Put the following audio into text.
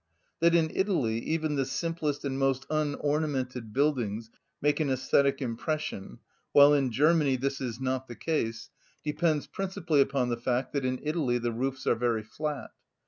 That in Italy even the simplest and most unornamented buildings make an æsthetic impression, while in Germany this is not the case, depends principally upon the fact that in Italy the roofs are very flat.